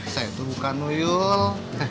saya itu bukan tuyul